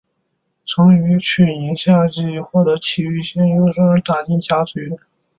曾于去年夏季大会获得崎玉县优胜而打进甲子园。